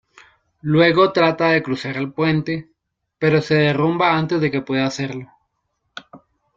Luego trata de cruzar el puente, pero se derrumba antes de que pueda hacerlo.